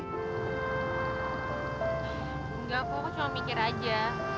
enggak aku cuma mikir aja